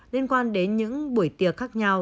liên quan đến những buổi tiệc khác nhau